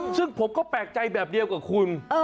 ซึ่งผมก็แปลกใจแบบเดียวกับคุณ